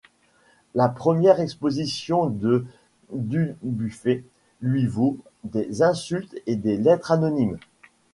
La première exposition de Dubuffet lui vaut des insultes et des lettres anonymes.